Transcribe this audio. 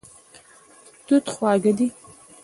توت خواږه دی.